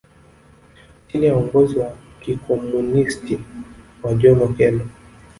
Chini ya uongozi wa kikomunisti wa John Okelo